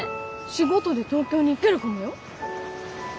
仕事で東京に行けるかもよ。